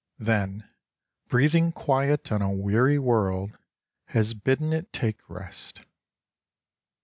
Then, breathing quiet on a weary world, has bidden it take rest.